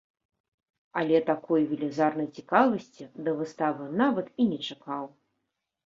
Але такой велізарнай цікавасці да выставы нават і не чакаў.